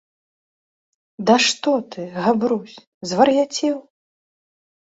- Ды што ты, Габрусь, звар'яцеў?